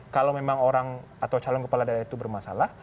kalau memang orang atau calon kepala daerah itu bermasalah